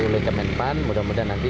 oleh kemenpan mudah mudahan nanti